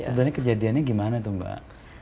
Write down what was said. sebenarnya kejadiannya gimana tuh mbak